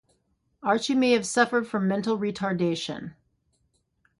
Archie may also have suffered from mental retardation.